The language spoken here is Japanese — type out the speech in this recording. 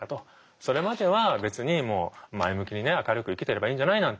それまでは別にもう前向きにね明るく生きてればいいんじゃないなんて。